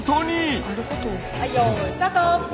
はいよいスタート！